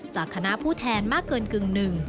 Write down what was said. จากคณะผู้แทนมากเกินกึ่งหนึ่ง